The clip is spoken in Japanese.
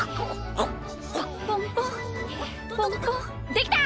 できた！